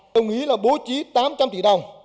đồng ý là bố trí tám trăm linh tỷ đồng